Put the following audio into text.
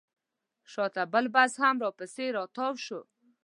شاته بل بس هم راپسې راتاو شو.